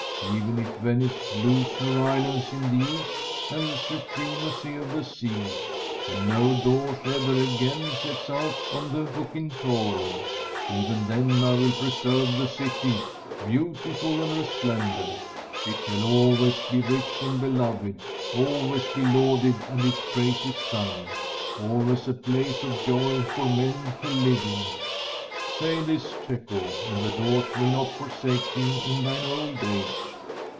Even if Venice lose her islands in the East and the supremacy of the sea, and no Doge ever again sets out on the Bucintoro, even then I will preserve the city beautiful and resplendent. It shall always be rich and beloved, always be lauded and its praises sung, always a place of joy for men to live in. Say this, Cecco, and the Doge will not forsake thee in thine old age.'